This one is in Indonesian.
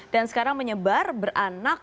dan sekarang menyebar beranak